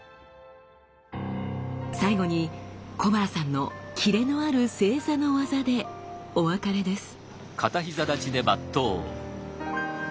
最後に小原さんのキレのある正座の業でお別れです。